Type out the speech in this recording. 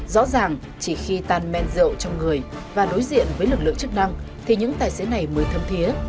rõ ràng chỉ khi tan men rượu trong người và đối diện với lực lượng chức năng thì những tài xế này mới thâm thiế